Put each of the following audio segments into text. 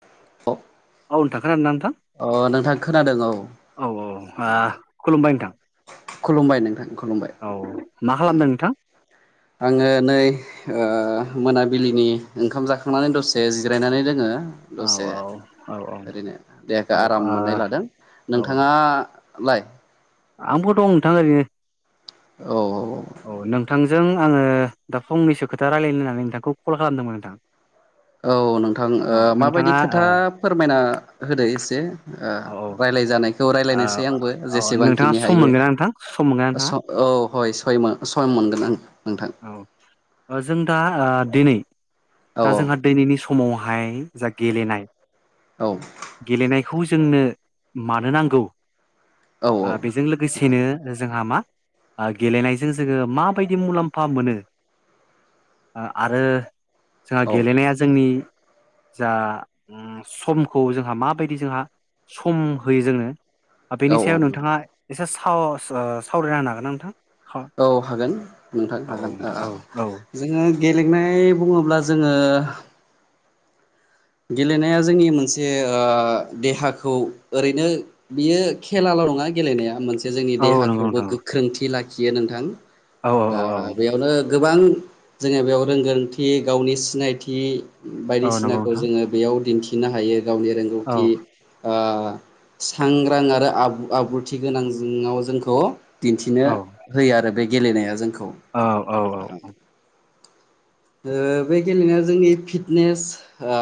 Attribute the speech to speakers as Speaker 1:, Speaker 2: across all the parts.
Speaker 1: [unintelligible] औ नोंथां खोनादोंना नोंथां
Speaker 2: अ नोंथां खोनादों औ
Speaker 1: औ औ खुलुमबाय नोंथां।
Speaker 2: खुलुमबाय नोंथां। खुलुमबाय
Speaker 1: औ मा खालामदों नोंथां?
Speaker 2: आङो नै ओ मोनाबिलिनि ओंखाम जाखांनानै दसे जिरायनानै दोङो।
Speaker 1: औ
Speaker 2: दसे
Speaker 1: औ औ
Speaker 2: ओरैनो देहाखौ
Speaker 1: औ
Speaker 2: आराम
Speaker 1: आ
Speaker 2: मोननाय लादों
Speaker 1: औ
Speaker 2: नोंथाङा। लाय
Speaker 1: आंबो दं नोंथां ओरैनो।
Speaker 2: औ
Speaker 1: औ नोंथांजों आङो दा फंनैसो खोथा रायजलायनो होननानै नोंथांखौ कल खालामदोंमोन नोंथां।
Speaker 2: औ नोंथां
Speaker 1: औ
Speaker 2: माबायदि
Speaker 1: नोंथाङा
Speaker 2: खोथा फोरमायना होदो एसे ओ राय्लायजानायखो खो
Speaker 1: औ
Speaker 2: रायलायनोसै आंबो
Speaker 1: ओ औ नोंथाङा
Speaker 2: जेसेबांखिनि
Speaker 1: सम
Speaker 2: हायो
Speaker 1: मोनगोन ना नोंथां सम मोनगोन ना
Speaker 2: स
Speaker 1: नोंथाङा
Speaker 2: औ हय सय मय मोनगोन ओं नोंथां
Speaker 1: औ जों दा ओ दिनै
Speaker 2: औ
Speaker 1: जा जोंहा दिनैनि समावहाय जा गेलेनाय
Speaker 2: औ
Speaker 1: बेखौ जोंनो मानो नांगौ
Speaker 2: औ औ
Speaker 1: ओ बेजों
Speaker 2: नोंथां
Speaker 1: लोगोसेनो जोंहा मा गेलेनायजों जोङो माबायदि मुलाम्फा मोनो? आरो जोंहा
Speaker 2: औ
Speaker 1: गेलेनाया जोंनि जा उम समखौ जोंहा माबायदि जोंहा सम होयो जोंनो
Speaker 2: औ
Speaker 1: बेनि
Speaker 2: औ
Speaker 1: सायाव नोंथाङा एसे सा ओ सावरायना होनो हागोन ना नोंथां!
Speaker 2: औ हागोन नोंथां हागोन ओ जोङो गेलेनाय बुङोब्ला जोङो गेलेनाया जोंनि मोनसे ओ देहाखौ ओरैनो बियो खेला ल' नङा गेलेनाया मोनसे जोंनि
Speaker 1: ना
Speaker 2: देहाखौबो
Speaker 1: नोंथां?
Speaker 2: गोख्रोंथि लाखियो नोंथां
Speaker 1: औ
Speaker 2: ओ
Speaker 1: नोंथां
Speaker 2: बेयावनो गोबां जोङो बेयाव रोंगोरथि गावनि सिनायथि
Speaker 1: औ औ
Speaker 2: बायदिसिना
Speaker 1: नंगौ
Speaker 2: खौ
Speaker 1: नोंथां
Speaker 2: जोङो बेयाव दिन्थिनो हायो गावनि
Speaker 1: औ
Speaker 2: रोंगौथि ओ सांग्रां आरो आब्रुथि गोनां ङाव जोंखौ दिन्थिनो होयो आरो बे गेलेनाया जोंखौ।
Speaker 1: औ औ औ औ
Speaker 2: ओ बे गेलेनाया जोंनि फिटनेस ओ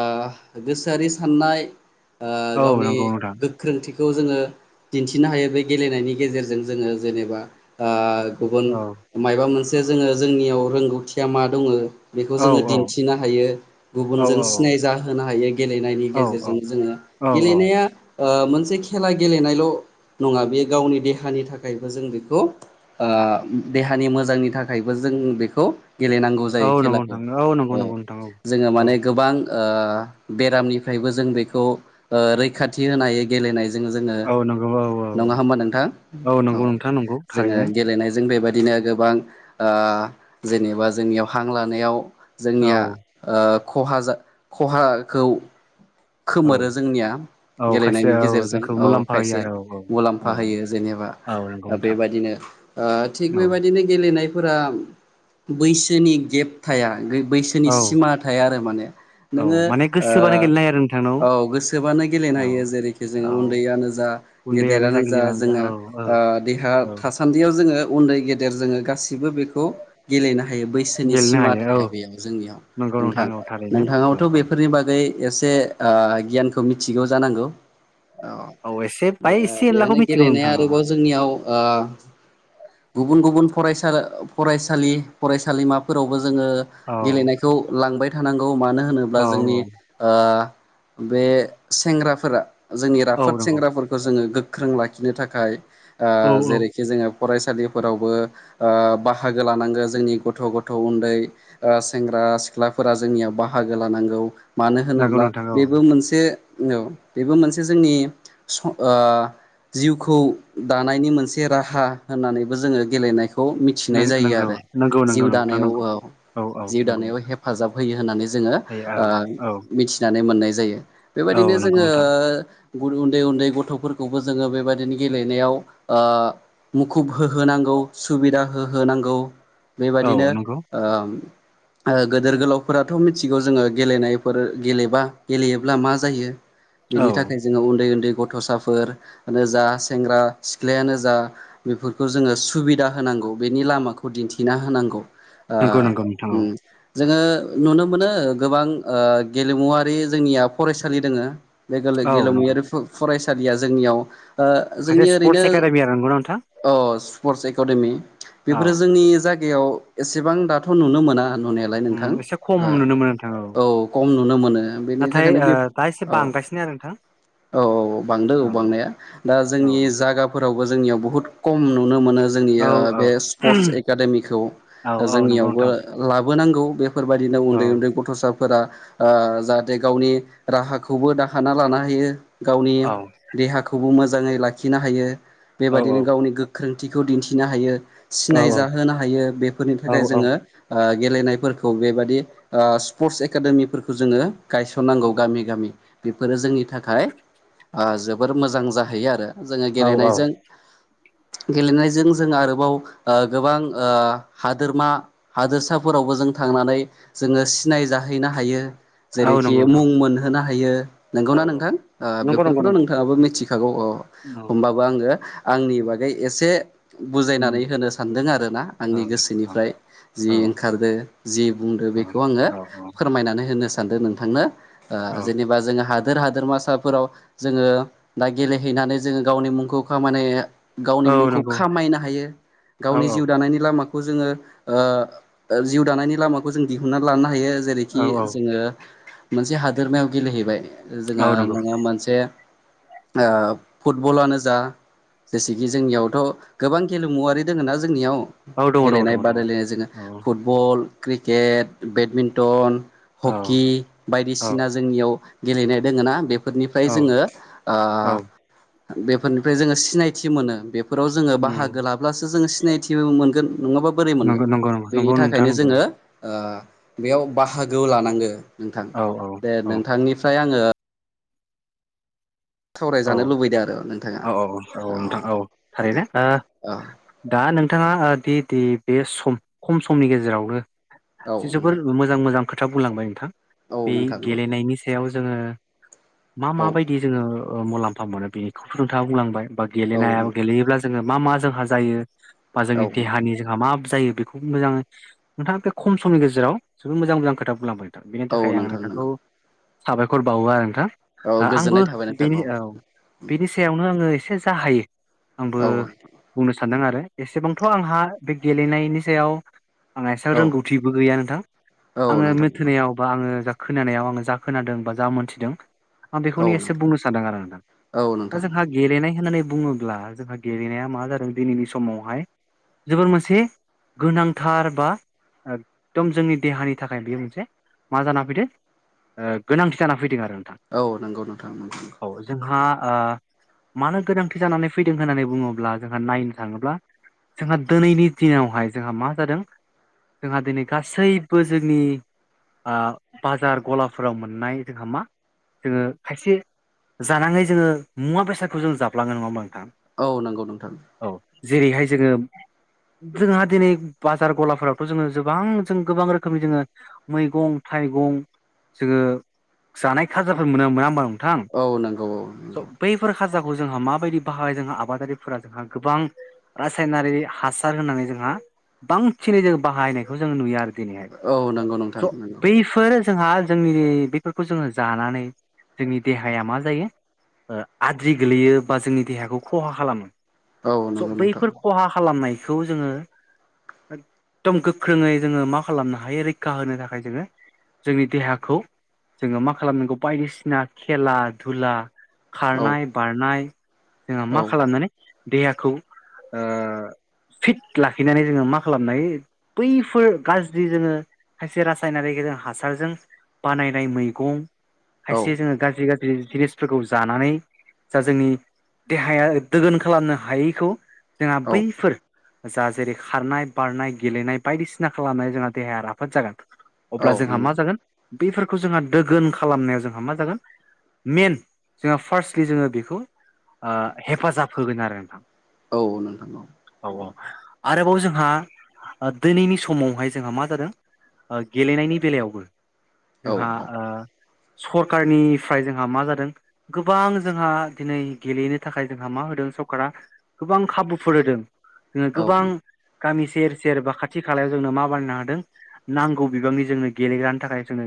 Speaker 2: गोसोआरि साननाय ओ
Speaker 1: औ
Speaker 2: गावनि
Speaker 1: नंगौ नोंथां
Speaker 2: गोख्रोंथि खौ जोङो दिन्थिनो हायो बे गेलेनायनि गेजेरजों जोङो जेनेबा ओ गुबुन
Speaker 1: औ
Speaker 2: माबा मोनसे जोङो जोंनियाव रोंगौथिया मा दङ बेखौ
Speaker 1: औ
Speaker 2: जोङो
Speaker 1: औ
Speaker 2: दिन्थिनो हायो
Speaker 1: औ
Speaker 2: गुबुनजों
Speaker 1: नंगौ
Speaker 2: सिनायजा होनोनो हायो गेलेनायनि गेजेरजों
Speaker 1: नोंथां
Speaker 2: जोङो।
Speaker 1: औ
Speaker 2: गेलेनाया मोनसे ओ खेला गेलेनायल' नङा बे गावनि देहानि थाखायबो जों बेखौ ओ देहानि मोजांनि थाखायबो जों जों बेखौ गेलेनांगौ
Speaker 1: औ
Speaker 2: जायो
Speaker 1: औ नंगौ
Speaker 2: खेलाखौ
Speaker 1: नोंथां औ नंगौ नंगौ नोंथां औ
Speaker 2: जोङो
Speaker 1: औ
Speaker 2: माने गोबां ओ बेरामनिफ्रायबो जों बेखौ रैखाथि होनायायो गेलेनाय जोङो
Speaker 1: औ नंगौ औ औ औ
Speaker 2: नङा होम्बा नोंथां?
Speaker 1: औ
Speaker 2: ओ
Speaker 1: नंगौ नोंथां नंगौ
Speaker 2: जोङो
Speaker 1: थारैनो
Speaker 2: गेलेनायजों बेबायदि बिदिनो गोबां ओ जेनेबा जोंनियाव हां लानायाव
Speaker 1: औ
Speaker 2: जोंनिया ओ खहा जा खहाखौ
Speaker 1: औ
Speaker 2: खोमोरो जोंनिया
Speaker 1: औ खायसे
Speaker 2: गेलेनायनि
Speaker 1: औ
Speaker 2: गेजेरजों
Speaker 1: जोंखौ
Speaker 2: औ
Speaker 1: मुलाम्फा होयो
Speaker 2: खायसे
Speaker 1: आरो औ औ
Speaker 2: मुलाम्फा होयो जोंनियाव
Speaker 1: औ नंगौ नोंथां
Speaker 2: बेबायदिनो ओ थिग
Speaker 1: औ
Speaker 2: बेबायदिनो गेलेनाय फोर बैसोनि गेब थाया बैसोनि
Speaker 1: औ
Speaker 2: सिमा थाया आरो माने
Speaker 1: औ
Speaker 2: नोङो
Speaker 1: माने
Speaker 2: ओ
Speaker 1: गोसोबानो गेलेनो
Speaker 2: औ गोसोबानो गेलेनो
Speaker 1: आरो नोंथांनाव औ
Speaker 2: हायो जेरैखि जोङो
Speaker 1: औ
Speaker 2: उन्दैयानो जा
Speaker 1: उन्दैयानो
Speaker 2: गेदेरानो जा
Speaker 1: गिदिरानो
Speaker 2: जोंङो
Speaker 1: औ औ
Speaker 2: ओ देहा
Speaker 1: औ
Speaker 2: थासान्दियाव जोङो उन्दै गेदेर जोङो गासि बो बेखौ गेलेनो हायो बैसोनि
Speaker 1: गेलेनो
Speaker 2: सिमा
Speaker 1: हायो औ
Speaker 2: थाया बेयाव जोंनियाव
Speaker 1: नंगौ
Speaker 2: नोंथां
Speaker 1: औ थारैनो
Speaker 2: नोंथाङा
Speaker 1: औ
Speaker 2: थ'
Speaker 1: औ
Speaker 2: बेफोरनि बागै एसे गियानखौ मिथिगौ जानांगौ।
Speaker 1: एसे बाय
Speaker 2: औ
Speaker 1: एसे एनलाखौ
Speaker 2: बेनो
Speaker 1: मिथिगौ
Speaker 2: गेलेनाया
Speaker 1: नोंथां औ
Speaker 2: आरोबाव जोंनियाव गुबुन गुबुन। फरायसा फरायसालि फरायसालिमाफोरावबो जोङो
Speaker 1: औ
Speaker 2: गेलेनायखौ लांबाय। थानांगौ मानो होनोब्ला
Speaker 1: औ
Speaker 2: जोंनि बे सेंग्राफोरा जोंनि
Speaker 1: औ
Speaker 2: राफोद
Speaker 1: नंगौ
Speaker 2: सेंग्राफोरखौ जोङो गोख्रों लाखिनो थाखाय
Speaker 1: औ औ
Speaker 2: जेरैखि जोङो फरायसालिफोरावबो बाहागो लानांगो जोंनि गथ' गथ' उन्दै सेंग्रा सिख्लाफोरा जोंनियाव बाहागो लानांगौ मानो
Speaker 1: नंगौ
Speaker 2: होनोब्ला
Speaker 1: नोंथां औ
Speaker 2: बेबो मोनसे औ बेबो मोनसे जोंनि स ओ जिउखौ दानायनि मोनसे राहा होननानैबो जोङो गेलेनायखौ खौ मिथिनाय
Speaker 1: नंगौ
Speaker 2: जायो आरो
Speaker 1: नंगौ नंगौ
Speaker 2: जिउ
Speaker 1: नोंथां
Speaker 2: दानायाव
Speaker 1: नंगौ
Speaker 2: औ
Speaker 1: औ
Speaker 2: जिउ
Speaker 1: नंगौ
Speaker 2: दानायाव
Speaker 1: नोंथां
Speaker 2: हेफाजाब होयो होननानै जोङो
Speaker 1: औ
Speaker 2: ओ
Speaker 1: औ
Speaker 2: मिथिनानै मोननाय जायो बेबायदिनो
Speaker 1: औ नंगौ नोंथां
Speaker 2: जोङो उन्दै उन्दै गथ'फोरखौबो जोङो बेबायदिनो गेलेनायाव ओ मुखुब होहोनांगौ सुबिदा होहोनांगौ
Speaker 1: औ
Speaker 2: बेबादिनो
Speaker 1: नंगौ
Speaker 2: ओ ओ गोदोर गोलावफोराथ' मिथिगौ जोङो गेलेनायफोर गेलेबा गेलेयोब्ला मा जायो
Speaker 1: औ
Speaker 2: बेनि थाखाय जोङो उन्दै उन्दै गथ'साफोरनो जा सेंग्रा सिख्लायानो जा बेफोरखौ जोङो सुबिदा होनांगौ होनांगौ बेनि लामाखौ दिन्थिना होनांगौ ओ
Speaker 1: नंगौ नंगौ नोंथां
Speaker 2: जोङो नुनो मोनो गोबां ओ गेलेमुवारि जोंनिया फरायसालि दोङो बे
Speaker 1: औ नंगौ
Speaker 2: गेलेमुयारि फरायसालिया जोंनियाव ओ
Speaker 1: खायसे
Speaker 2: जोंनि
Speaker 1: स्पर्टस
Speaker 2: ओरैनो
Speaker 1: एकाडेमि आरो नंगौना नोंथां
Speaker 2: अ स्पर्टस एकाडेमि
Speaker 1: औ
Speaker 2: बेफोरो जोंनि जायगायाव एसेबां दाथ' नुनो मोना नुनायालाय नोंथां
Speaker 1: उम एसे खम नुनो मोनो नोंथां
Speaker 2: ओ औ खम नुनो मोनो बेनि
Speaker 1: नाथाय
Speaker 2: थाखायनो
Speaker 1: ओ
Speaker 2: बे
Speaker 1: दा एसे
Speaker 2: औ
Speaker 1: बांगासिनो आरो नोंथां औ
Speaker 2: औ औ बांदो औ बांनाया दा जोंनि जायगाफोरावबो जोंनियाव बुहुद खम नुनो मोनो
Speaker 1: औ
Speaker 2: जोंनिया बे स्पर्स एखादेमिखौ
Speaker 1: औ औ नंगौ
Speaker 2: जोंनियावबो
Speaker 1: नोंथां
Speaker 2: ला लाबोनांगौ बेफोर बायदिनो
Speaker 1: औ
Speaker 2: उन्दै उन्दै गथ'साफोरा ओ जाहा जे गावनि राहाखौबो दाखाना लानो हायो गावनि
Speaker 1: औ
Speaker 2: देहाखौबो मोजां मोजाङै लाखिनो हायो
Speaker 1: औ
Speaker 2: बेबादिनो गावनि गोख्रोंथिखौ दिन्थिनो हायो
Speaker 1: औ
Speaker 2: सिनाय जाहोनो हायो बेफोरनि
Speaker 1: औ
Speaker 2: थाखाय जोङो ओ गेलेनायफोरखौ बेबायदि ओ स्पर्टस एकादेमिफोरखौ जोङो गायसननांगौ गामि गामि बेफोरो जोंनि थाखाय ओ जोबोर मोजां जाहैयो आरो जोङो
Speaker 1: औ औ
Speaker 2: गेलेनायजों गेलेनायजों जों आरोबाव ओ गोबां ओ हादोरमा हादोरसाफोरावबो जों थांनानै जोङो सिनाय जाहैनो हायो
Speaker 1: औ
Speaker 2: जेरैखि
Speaker 1: नंगौ
Speaker 2: मुं
Speaker 1: नोंथां
Speaker 2: मोनहोनो हायो
Speaker 1: औ
Speaker 2: नंगौना
Speaker 1: औ
Speaker 2: नोंथां ओ
Speaker 1: नंगौ नंगौ
Speaker 2: बेफोरखौथ'
Speaker 1: नंगौ
Speaker 2: नोंथाङाबो मिथिखागौ औ
Speaker 1: औ
Speaker 2: होनबाबो आङो आंनि बागै एसे
Speaker 1: उम
Speaker 2: बुजायनानै होनो सानदों आरोना
Speaker 1: औ
Speaker 2: आंनि
Speaker 1: औ
Speaker 2: गोसोनिफ्राय जि
Speaker 1: औ
Speaker 2: ओंखारदो जि बुंदो बिखौ आङो
Speaker 1: औ
Speaker 2: फोरमायनानै होनो सानदों नोंथांनो ओ
Speaker 1: औ
Speaker 2: जेनेबा जों हादोर हादोरमासाफोराव जोङो दा गेलेहैनानै जोङो गावनि मुंखौ खामानि गावनि
Speaker 1: औ
Speaker 2: मुंखौ
Speaker 1: नंगौ
Speaker 2: खामायनो हायो
Speaker 1: औ
Speaker 2: गावनि
Speaker 1: औ
Speaker 2: जिउ दानायनि लामाखौ जोङो ओ जिउ दानायनि लामाखौ जों दिहुनन्नानै लानो हायो जेरैखि
Speaker 1: औ
Speaker 2: जोङो‌ मोनसे हादोरमायाव गेलेहैबाय जोंहा
Speaker 1: औ नंगौ
Speaker 2: नोङो मोनसे ओ फुटबलानो जा जेसेखि जोंनियावथ' गोबां गेलेमुवारि दोङोना जोंनियाव
Speaker 1: औ दङ दङ
Speaker 2: गेलेनाय
Speaker 1: दङ औ
Speaker 2: बादायलायनाय जोङो
Speaker 1: औ
Speaker 2: फुटबल क्रिकेट बेडमिन्टन हकि बायदिसिना जोंनियाव गेलेनाय दोङोना बे बेफोरनिफ्राय
Speaker 1: औ
Speaker 2: जोङो ओ
Speaker 1: औ
Speaker 2: बेफोरनिफ्राय जोङो सिनायथि मोनो फोराव जोङो
Speaker 1: उम
Speaker 2: बाहागो लाब्लासो जोङो सिनायथिबो मोनगोन नङाबा बोरै मोनगोन
Speaker 1: नंगौ नंगौ नंगौ
Speaker 2: बेनि
Speaker 1: नंगौ नोंथां
Speaker 2: थाखायनो
Speaker 1: नंगौ
Speaker 2: जोङो ओ बेयाव बाहागो लानांगो नोंथां
Speaker 1: औ औ
Speaker 2: दे
Speaker 1: औ
Speaker 2: नोंथांनिफ्राय आङो
Speaker 1: औ
Speaker 2: सावरायजानो लुबैदों आरो नोंथाङा
Speaker 1: औ औ औ नोंथां औ
Speaker 2: दे
Speaker 1: थारैनो ओ
Speaker 2: औ
Speaker 1: दा नों नोंथांङा दि दि बे सम खम समनि गेजेरावनो
Speaker 2: औ
Speaker 1: जि जोबोर
Speaker 2: नोंथां
Speaker 1: मोजां मोजां खोथा बुंलांबाय नोंथां
Speaker 2: औ
Speaker 1: बे
Speaker 2: नोंथां
Speaker 1: गेलेनायनि सायाव जोङो मा
Speaker 2: औ
Speaker 1: मा बायदि जोङो ओ मुलाम्फा मोनो बेखौथ' नोंथाङा बुंलांबाय बा
Speaker 2: औ
Speaker 1: गेलेनाया
Speaker 2: नोंथां
Speaker 1: गेलेयोब्ला जोङो मा मा जोंहा जायो बा
Speaker 2: औ
Speaker 1: जोंनि
Speaker 2: नोंथां
Speaker 1: देहानि जोंहा मा जायो बेखौ मोजां नोंथां बे खम समनि गेजेराव जोबोद मोजां मोजां खोथा बुंलांबाय थां बिनि
Speaker 2: औ
Speaker 1: थाखाय आं
Speaker 2: नोंथां
Speaker 1: नोंथांखौ
Speaker 2: नंगौ
Speaker 1: साबायखर बावो आरो नोंथां
Speaker 2: औ
Speaker 1: आ- आंबो
Speaker 2: गोजोननाय थाबाय नों
Speaker 1: बेनि औ बेनि सायावनो आङो एसे जा हायो आंबो
Speaker 2: औ
Speaker 1: बुंनो सानदों आरो एसेबांथ आंहा बे गेलेनायनि सायाव आंहा एसे
Speaker 2: औ
Speaker 1: रोंगौथिबो गैया नोंथां
Speaker 2: औ
Speaker 1: आङो
Speaker 2: नोंथां
Speaker 1: मेथोनायावबा आङो जा खोनानायाव आङो जा खोनादों बा जा मोन्थिदों आं
Speaker 2: औ
Speaker 1: बेखौनो एसे बुंनो सान आरो नोंथां
Speaker 2: औ
Speaker 1: दा
Speaker 2: नोंथां
Speaker 1: जोंहा गेलेनाय होननानै बुङोब्ला जोंहा गेलेनाया मा जादों दिनैनि समावहाय जोबोर मोनसे गोनांथार बा एकदम जोंनि देहानि थाखाय बेयो मोनसे मा जाना फैदो ओ गोनांथि जाना फैदों आरो नोंथां
Speaker 2: औ नंगौ नोंथांं
Speaker 1: औ जोंहा ओ मानो गोनांथि जानानै फैदों होननानै बुङोब्ला जोंहा नायनो थाङोब्ला जोंहा दोनैनि दिनावहाय जोंहा मा जादों जोंहा दिनै गासैबो जोंनि ओ बाजार गलाफोराव मोननाय जोंहा मा जोङो खायसे जानाङै जोङो मुवा बेसादखौ जों जाफ्लांङो नङा होमबा नोंथां
Speaker 2: औ नंगौ नोंथां
Speaker 1: औ जेरैहाय जोङो जोंहा दिनै बाजार गलाफोरावथ' जोङो जोबां जों गोबां रोखोमनि जोङो मैगं थाय थाइगं जोङो जानाय खाजाफोर मोनो मोना ओमबा नोंथां
Speaker 2: औ नंगौ औ
Speaker 1: स'
Speaker 2: नंगौ
Speaker 1: बैफोर खाजाखौ जोंहा माबायदि बाहाय जोंहा आबादारिफोरा जोंहा गोबां रासायनारि हासार होनानै जोंहा बांसिनै जों बाहायनायखौ जों नुयो आरो दिनैहाय
Speaker 2: औ नंगौ नोंथां
Speaker 1: स
Speaker 2: नंगौ
Speaker 1: बैफोर जोंहा जोंनि बेफोरखौ जोङो जानानै जोंनि देहाया मा जायो आद्रि गोलैयो बा जोंनि देहाखौ खहा खालामो
Speaker 2: औ
Speaker 1: स
Speaker 2: नंगौ नोंथां
Speaker 1: बैफोर खहा खालामनायखौ जोङो एकदम गोख्रोङै जोङो मा खालामनो हायो रैखा होनो थाखाय जोङो जोंनि देहाखौ जोङो मा खालामनांगौ बायदिसिना खेला धुला
Speaker 2: औ
Speaker 1: खारनाय बारनाय जोंहा
Speaker 2: औ
Speaker 1: मा खालामनानै देहाखौ ओ फिट लाखिनानै जोङो मा खालामनो हायो बैफोर गाज्रि जोङो खायसे रासायनारि हासारजों बानायनाय मैगं
Speaker 2: औ
Speaker 1: खायसे जोङो गाज्रि गाज्रि जिनिसफोरखौ जानानै जा जोंनि देहाया दोगोन खालामनो हायैखौ जोंहा
Speaker 2: औ
Speaker 1: बैफोर जा जेरै खारनाय बारनाय गेलेनाय बायदिसिना खालामनायाव जोंहा देहाया राफोद जागोन
Speaker 2: औ
Speaker 1: अब्ला जोंहा मा जागोन बेफोरखौ जोंहा दोगोन खालामनायाव जोंहा मा जागोन मेन जोंहा फार्स्टलि जोङो बेखौ ओ हेफाजाब होगोन आरो नोंथां
Speaker 2: औ औ नोंथां औ उम
Speaker 1: आरोबाव जोंहा ओ दिनैनि समावहाय जोंहा मा जादों ओ गेलेनायनि बेलायावबो
Speaker 2: औ
Speaker 1: जोंहा ओ सरखारनिफ्राय जोंहा मा जादों गोबां जोंहा दिनै गेलेनो थाखाय जोंहा मा होदों सरकारा गोबां खाबुफोर होदों जोंहा
Speaker 2: औ
Speaker 1: गोबां गामि सेर सेर बा खाथि खालायाव जोंनो मा बानायनो हादों नांगौ बिबांनि जोंनो गेलेग्रानि थाखाय जोंनो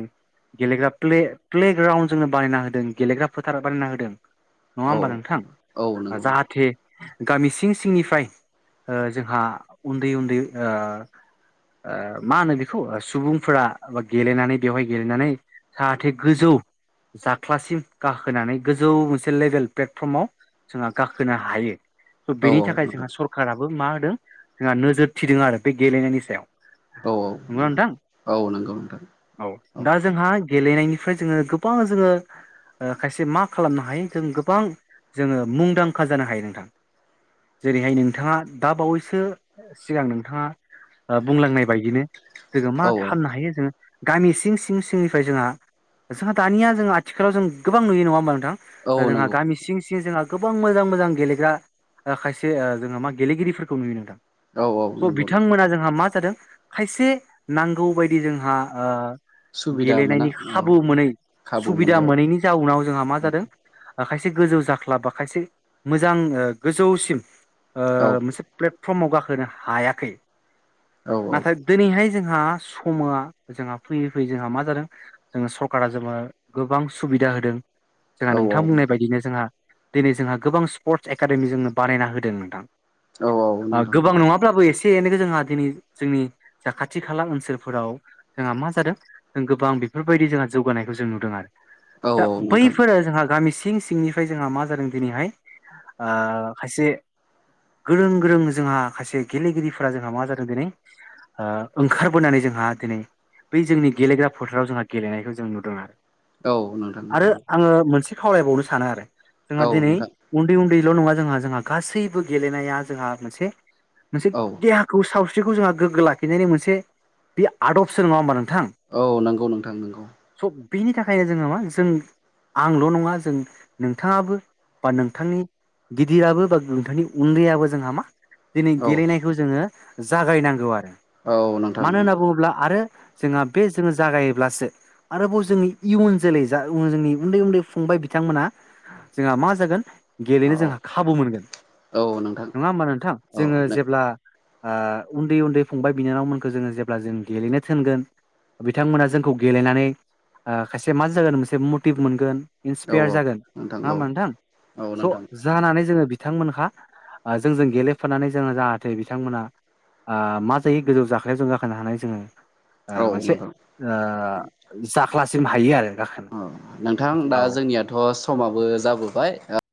Speaker 1: गेलेग्रा प्ले प्लेग्राउन्ड जोंनो बानायना होदों गेलेग्रा फोथाराव बानायना होदों नङा
Speaker 2: औ
Speaker 1: होमबा नोंथां
Speaker 2: औ नंगौ
Speaker 1: जाहाथे गामि सिं सिंनिफ्राय जोंहा उन्दै उन्दै ओ ओ मा होनो बेखौ सुबुंफोरा बा गेलेनानै बेवहाय गेलेनानै जाहाथे गोजौ जा क्लाससिम गाखोनानै गोजौ मोनसे लेभेल प्लेटफर्माव जोंहा गाखोनो हायो।
Speaker 2: औ
Speaker 1: बेनि थाखाय जोंहा
Speaker 2: नोंथां
Speaker 1: सरखाराबो मा होदों जोंहा नोजोर थिदों आरो बे गेलेनायनि सायाव।
Speaker 2: औ
Speaker 1: नंगौ नोंथां।
Speaker 2: औ नंगौ नोंथां
Speaker 1: औ दा जोंहा गेलेनायनिफ्राय जोङो गोबां जोङो ओ खायसे मा खालामनो हायो जों गोबां जोङो मुंदांखा जानो हायो नोंथां। जेरैहाय नोंथाङा दा बावैसो सिगां नोंथाङा बुंलांनाय बायदिनो। जोङो मा
Speaker 2: औ
Speaker 1: खालामामनो हायो। जोङो गामि सिं सिं सिंनिफ्राय जोंहा जोंहा दानिया जोंहा आथिखालाव जों गोबां नुयो नङा होमबब्ला
Speaker 2: औ
Speaker 1: नोंथां जोंहा
Speaker 2: नंगौ
Speaker 1: गामि सिं सिं जोंहा गोबां मोजां मोजां गेलेग्रा खायसे जोंहा मा गेलेगिरिफोरखौ नुयो नोंथां।
Speaker 2: औ औ
Speaker 1: स'
Speaker 2: नंगौ नोंथां
Speaker 1: बिथांमोना जोंहा मा जादों खायसे नांगौ बायदि जोंहा ओ
Speaker 2: सुबिदा मोना
Speaker 1: गेलेनायनि
Speaker 2: औ
Speaker 1: खाबु मोनै
Speaker 2: खाबु
Speaker 1: सुबिदा
Speaker 2: मोननायाव
Speaker 1: मोनैनि जाउनाव जोंहा मा जादों खायसे गोजौ जाख्ला बा खायसे मोजां गोजौसिम
Speaker 2: औ
Speaker 1: मोनसे प्लेटफर्माव गाखोनो हायाखै।
Speaker 2: औ
Speaker 1: नाथाय दिनैहाय जोंहा समआ जोंहा फैयै फैयै जोंहा मा जादों जोङो सरकारा जोङो'औ गोबां सुबिदा होदों। जोंहा
Speaker 2: औ औ
Speaker 1: नोंथां बुंनाय बायदिनो जोंहा दिनै जोंहा गोबां स्पर्टस एकाडेमि जोंनो बानायना होदों नोंथां।
Speaker 2: औ औ नोंथां
Speaker 1: गोबां नङाब्लाबो एसे-' से एनैखो जोंहा दिनै जोंनि जा खाथि खाला ओनसोलफोराव जोंहा मा जादों गोबां बेफोरबायदि जोंहा जौगानायखौ जों नुदों आरो।
Speaker 2: औ
Speaker 1: दा
Speaker 2: नोंथां
Speaker 1: बैफोर जों सिं सिं सिंनिफ्राय जोंहा मा जादों दिनैहाय खायसे गोरों गोरों जोंहा खायसे गेलेगिरिफोरा जोंहा मा जादों दिनै ओ ओंखारबोनानै जोंहा दिनै बै जोंनि गेलेग्रा फोथाराव जोंहा गेलेनायखौ जों नुदों आरो।
Speaker 2: औ नोंथां
Speaker 1: आरो आङो मोनसे खावलायबावनो सानो आरो जोंहा
Speaker 2: औ
Speaker 1: दिनै
Speaker 2: नोंथां
Speaker 1: उन्दै उन्दैल' नङा जोंहा जोंहा गासैबो गेलेनाया जोंहा मोनसे मोनसे
Speaker 2: औ
Speaker 1: देहाखौ साव बिखौ जोंहा गोग्गो लाखिनायनि मोनसे बे आदबसो नङा होनोमबा नों।
Speaker 2: औ नंगौ नोंथां नंगौ।
Speaker 1: बेखायनो जोंङो मा जों आंल' नङा जों नोंथाङाबो बा नोंथांनि गिदिराबो बा नोंथांनि उन्दैयाबो जोंहा मा। दिनै
Speaker 2: औ
Speaker 1: गेलेनायखौ जोङो जागायनांगौ आरो।
Speaker 2: औ नोंथां
Speaker 1: मानो होनना बुङोब्ला आरो जोंहा बे जोङो जागायोब्लासो आरोबाव जोंनि इयुन जोलै जा जोंनि उन्दै उन्दै फंबाय बिथांमोना जोंहा मा जागोन? गेलेनो
Speaker 2: औ
Speaker 1: जोंहा खाबु मोनगोन
Speaker 2: औ नोंथां
Speaker 1: नङा होमबा नोंथां?
Speaker 2: औ
Speaker 1: जोङो जेब्ला, ओ उन्दै उन्दै फंबाय बिनानावमोनखौ जोङो जेब्ला जों गेलेनो थिनगोन। बिथांमोना जोंखौ गेलेनानै ओ खायसे मा जागोन मोनसे मटिभ मोनगोन।
Speaker 2: औ
Speaker 1: इन्सपायार जागोन नङा
Speaker 2: औ
Speaker 1: होमबा नोंथां
Speaker 2: औ नोंथां
Speaker 1: स' जानानै जोङो बिथांमोनहा जोंजों गेलेफानानै जोंङो जाहाथे बिथांमोना। ओ मा जायो गोजौ जाखायाव जों गाखोनो हानाय जोङो ओ
Speaker 2: औ
Speaker 1: मोनसे
Speaker 2: नोंथां
Speaker 1: ओ जाख्लासिम हायो आरो। गाखोनो
Speaker 2: ओ नोंथां दा
Speaker 1: औ
Speaker 2: जोंनियाथ' समाबो जाबोबाय ओ